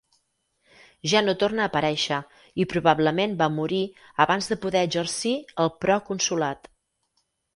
Ja no torna a aparèixer i probablement va morir abans de poder exercir el proconsolat.